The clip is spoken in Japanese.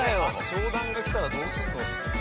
跳弾が来たらどうするの。